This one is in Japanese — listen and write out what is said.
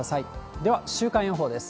では、週間予報です。